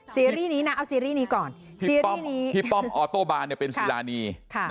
ซีรีส์นี้นะเอาซีรีส์นี้ก่อนพี่ป้อมออโต้บานเนี่ยเป็นซีรานี